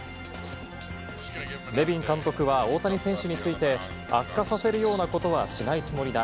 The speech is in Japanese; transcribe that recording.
ネビン監督は、大谷選手について、悪化させるようなことはしないつもりだ。